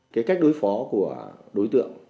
cái cách đối phó của đối tượng